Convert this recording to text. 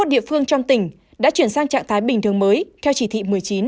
một mươi địa phương trong tỉnh đã chuyển sang trạng thái bình thường mới theo chỉ thị một mươi chín